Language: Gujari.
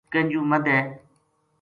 کینجو مدھے